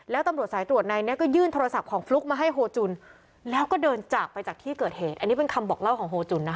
แล้วตำรวจสายตรวจในนี้ก็ยื่นโทรศัพท์ของฟลุ๊กมาให้โฮจุนแล้วก็เดินจากไปจากที่เกิดเหตุอันนี้เป็นคำบอกเล่าของโฮจุนนะคะ